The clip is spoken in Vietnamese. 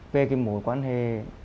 về cái mối quan hệ